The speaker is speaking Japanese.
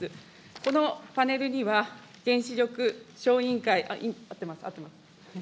このパネルには、原子力小委員会、合ってます、合ってます。